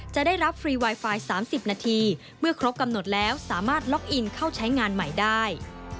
จะได้รับฟรีไวไฟ๓๐นาทีเมื่อครบกำหนดแล้วสามารถล็อกอินเข้าใช้งานใหม่ได้